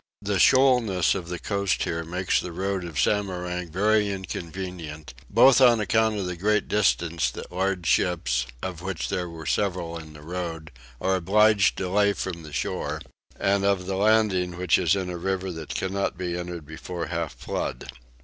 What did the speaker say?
The shoalness of the coast here makes the road of Samarang very inconvenient, both on account of the great distance that large ships (of which there were several in the road) are obliged to lay from the shore, and of the landing which is in a river that cannot be entered before half flood.